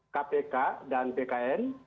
kpk dan bkn